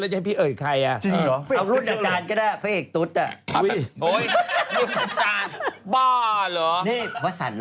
แล้วจะให้พี่เอ่ยใคร